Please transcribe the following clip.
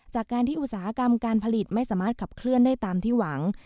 จากการที่อุตสาหกรรมการผลิตไม่สามารถขับเคลื่อนได้ตามที่หวัง